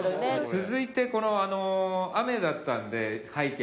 続いてこのあの雨だったんで背景が。